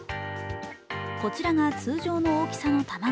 こちらが通常の大きさの卵。